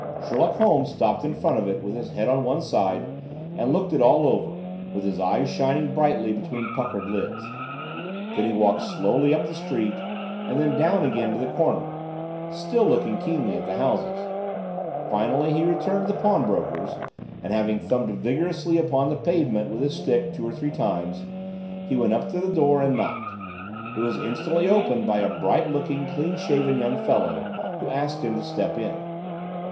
Sherlock Holmes stopped in front of it with his head on one side and looked it all over, with his eyes shining brightly between puckered lids. Then he walked slowly up the street, and then down again to the corner, still looking keenly at the houses. Finally he returned to the pawnbroker's, and, having thumped vigorously upon the pavement with his stick two or three times, he went up to the door and knocked. It was instantly opened by a bright looking, clean shaven young fellow, who asked him to step in.